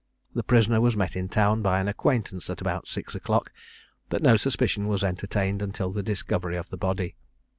The prisoner was met in town, by an acquaintance, at about six o'clock; but no suspicion was entertained until the discovery of the body.